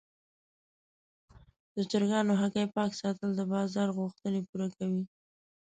د چرګانو هګۍ پاک ساتل د بازار غوښتنې پوره کوي.